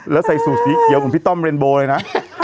แล้วใส่ซูซิเกี่ยวกับพี่ต้อมเรนโบเลยนะ